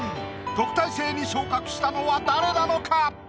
特待生に昇格したのは誰なのか？